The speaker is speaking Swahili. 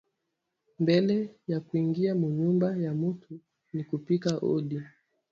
Mbele ya kuingia mu nyumba ya mutu ni kupika odi